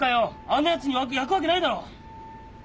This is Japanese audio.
あんなやつにやくわけねえだろ！